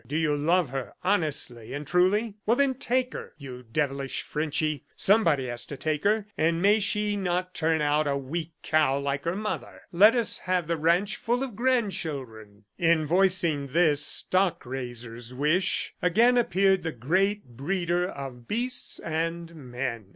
Do you love her, honestly and truly? ... Well then, take her, you devilish Frenchy. Somebody has to take her, and may she not turn out a weak cow like her mother! ... Let us have the ranch full of grandchildren!" In voicing this stock raiser's wish, again appeared the great breeder of beasts and men.